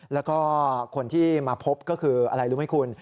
แล้วก็คนที่มาพบก็คืออะไรรู้ไหมคุณ